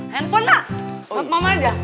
handphone ma buat mama aja